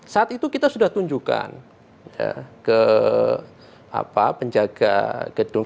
saat itu kita sudah tunjukkan ke penjaga gedung